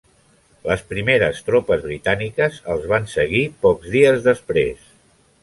Les primeres tropes britàniques els van seguir pocs dies després.